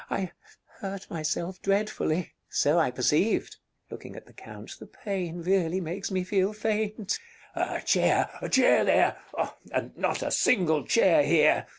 I hurt myself dreadfully. Count So I perceived. Rosina [looking at the Count] The pain really makes me feel faint. Bartolo A chair a chair there! And not a single chair here!